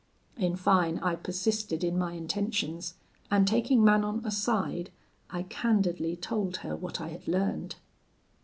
In fine, I persisted in my intentions, and taking Manon aside, I candidly told her what I had learned.